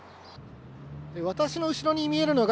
私の後ろに見えるのが、